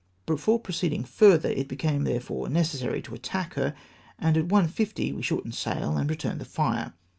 Before proceeding further, it became, therefore, necessary to attack her, and at 1.50 we shortened sail, and retiurned the fire.